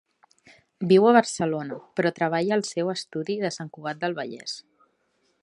Viu a Barcelona, però treballa al seu estudi de Sant Cugat del Vallès.